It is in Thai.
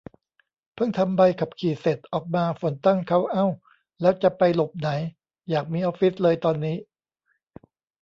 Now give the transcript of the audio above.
เพิ่งทำใบขับขี่เสร็จ ออกมา ฝนตั้งเค้า เอ้า แล้วจะไปหลบไหน อยากมีออฟฟิศเลยตอนนี้